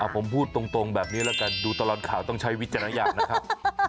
ผมพูดตรงแบบนี้แล้วกันดูตลอดข่าวต้องใช้วิจารณญาณนะครับ